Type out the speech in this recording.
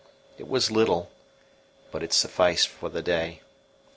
It was little, but it sufficed for the day.